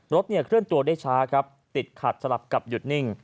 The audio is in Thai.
รถเคลื่อนตัวได้ช้าครับติดขัดสลับกับหยุดนิ่ง